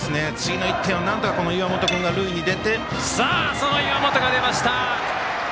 その岩本が出ました！